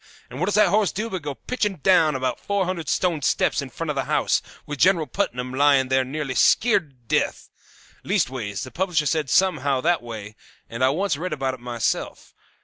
And what does that horse do but go pitching down about four hundred stone steps in front of the house, with General Putnam lying there nearly skeered to death! Leastways, the publisher said somehow that way, and I once read about it myself.